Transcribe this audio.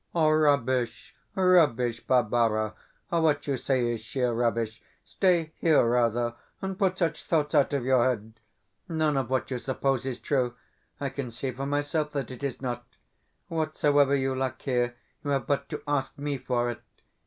Rubbish, rubbish, Barbara! What you say is sheer rubbish. Stay here, rather, and put such thoughts out of your head. None of what you suppose is true. I can see for myself that it is not. Whatsoever you lack here, you have but to ask me for it.